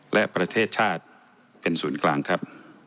และประเทศชาติเป็นศูนย์กลางครับ